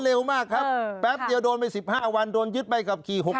เร็วมากครับแป๊บเดียวโดนไป๑๕วันโดนยึดใบขับขี่๖๐